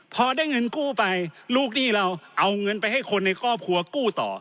พอได้เงินกู้ไปลูกหนี้เราเอาเงินไปให้คนในครอบครัวกู้ต่อ